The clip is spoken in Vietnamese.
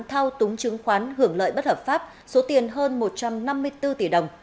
thao túng chứng khoán hưởng lợi bất hợp pháp số tiền hơn một trăm năm mươi bốn tỷ đồng